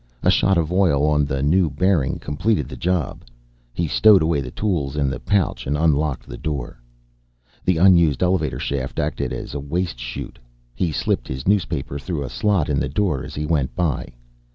A shot of oil on the new bearing completed the job; he stowed away the tools in the pouch and unlocked the door. The unused elevator shaft acted as waste chute, he slipped his newspaper through a slot in the door as he went by.